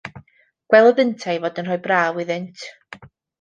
Gwelodd yntau ei fod yn rhoi braw iddynt.